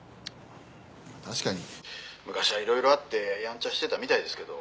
確かに昔はいろいろあってやんちゃしてたみたいですけど。